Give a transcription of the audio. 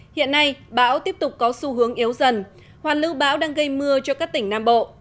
hiện nay bão tiếp tục có xu hướng yếu dần hoàn lưu bão đang gây mưa cho các tỉnh nam bộ